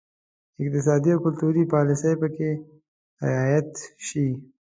اقتصادي او کلتوري پالیسي پکې رعایت شي.